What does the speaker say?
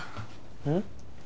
うん？